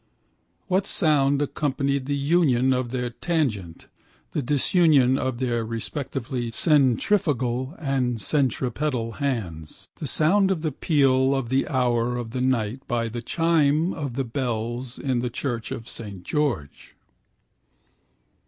What sound accompanied the union of their tangent, the disunion of their (respectively) centrifugal and centripetal hands? The sound of the peal of the hour of the night by the chime of the bells in the church of Saint George.